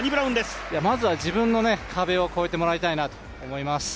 まずは自分の壁を乗り越えてもらいたいと思います。